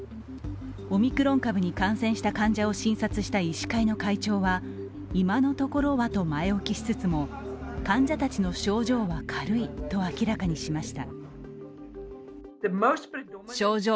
オミクロン株に感染した患者を診察した医師会の会長は今のところは、と前置きしつつも患者たちの症状は軽いと明らかにしました。